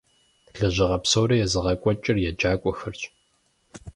Лэжьыгъэ псори езыгъэкӀуэкӀыр еджакӀуэхэрщ.